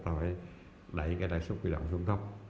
phải đẩy cái lãi suất huy động xuống tốc